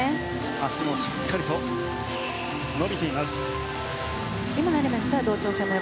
脚もしっかりと伸びています。